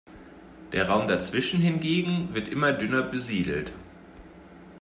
Der Raum dazwischen hingegen wird immer dünner besiedelt.